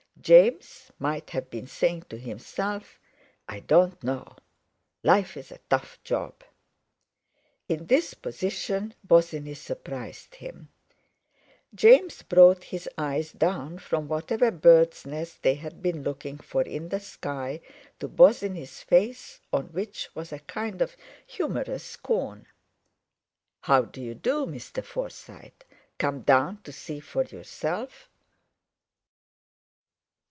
James might have been saying to himself: "I don't know—life's a tough job." In this position Bosinney surprised him. James brought his eyes down from whatever bird's nest they had been looking for in the sky to Bosinney's face, on which was a kind of humorous scorn. "How do you do, Mr. Forsyte? Come down to see for yourself?"